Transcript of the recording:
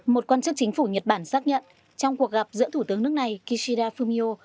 một quan chức chính phủ nhật bản xác nhận trong cuộc gặp giữa thủ tướng nước này kishida fumio